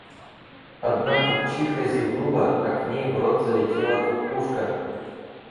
Одна купчиха зевнула, а к ней в рот залетела кукушка.